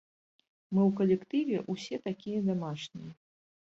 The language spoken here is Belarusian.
Мы ў калектыве ўсе такія дамашнія.